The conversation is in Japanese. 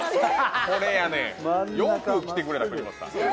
これやねんよく来てくれました国本さん